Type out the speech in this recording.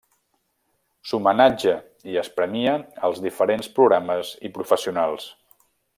S'homenatja i es premia als diferents programes i professionals.